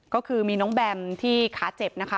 ก็คือมีน้องแบมที่ขาเจ็บนะคะ